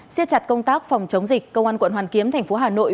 siết chặt công tác phòng chống dịch công an quận hoàn kiếm thành phố hà nội